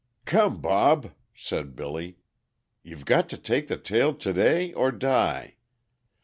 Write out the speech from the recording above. "Come, Bob," said Billy, "you've got to take the tail to day or die.